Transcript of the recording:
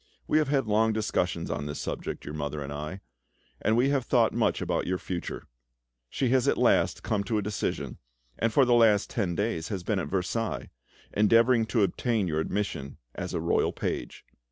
We have had long discussions on this subject—your mother and I—and we have thought much about your future; she has at last come to a decision, and for the last ten days has been at Versailles, endeavouring to obtain your admission as a royal page.